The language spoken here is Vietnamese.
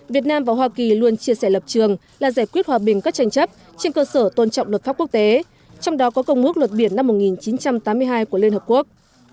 việt nam và hoa kỳ luôn chia sẻ lập trường là giải quyết hòa bình các tranh chấp trên cơ sở tôn trọng luật pháp quốc tế trong đó có công ước luật biển năm một nghìn chín trăm tám mươi hai của liên hợp quốc